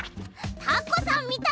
タコさんみたい。